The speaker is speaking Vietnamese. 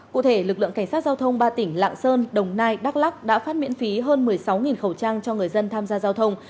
cụ thể lực lượng cảnh sát giao thông ba tỉnh lạng sơn đồng nai đắk lắc đã phát miễn phí hơn một mươi sáu khẩu trang cho người dân tham gia giao thông